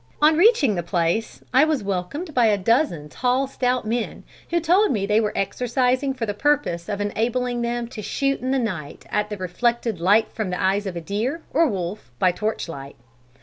On reaching the place, I was welcomed by a dozen tall, stout men, who told me they were exercising for the purpose of enabling them to shoot in the night at the reflected light from the eyes of a deer, or wolf, by torch light.